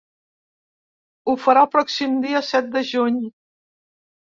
Ho farà el pròxim dia set de juny.